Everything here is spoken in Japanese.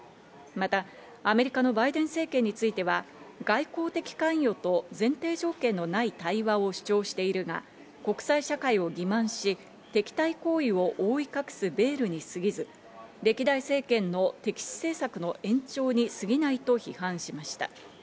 また、アメリカのバイデン政権については外交的関与と前提条件のない対話を主張しているが、国際社会を欺まんし、敵対行為を覆い隠すベールに過ぎず、歴代政権の敵視政策の延長に過ぎないと批判しました。